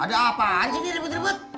ada apaan sih ini ribet ribet